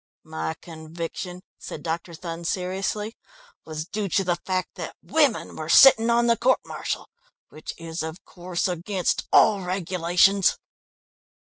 "My conviction," said Dr. Thun seriously, "was due to the fact that women were sitting on the court martial, which is, of course, against all regulations."